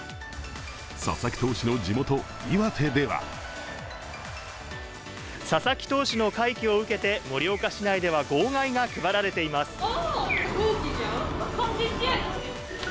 佐々木投手の地元・岩手では佐々木投手の快挙を受けて、盛岡市内では号外が配られています。